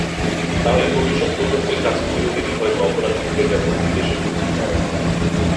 তাহলে ভবিষ্যৎ প্রজন্মের কাছে চিরদিনই হয়তো অপরাধী থেকে যাবেন দুই দেশের নীতিনির্ধারকেরা।